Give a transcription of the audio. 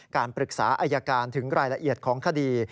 การปรึกษาอายการถึงรายละเอียดของคดี